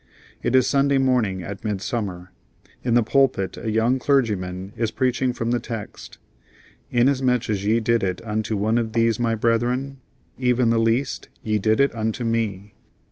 It is Sunday morning at midsummer. In the pulpit a young clergyman is preaching from the text: "Inasmuch as ye did it unto one of these my brethren, even the least, ye did it unto me."